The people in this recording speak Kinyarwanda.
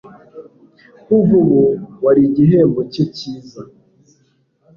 Kuva ubu wari igihembo cye cyiza